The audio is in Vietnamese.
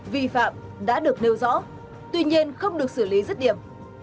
vi phạm đã được nêu rõ tuy nhiên không được xử lý rất điểm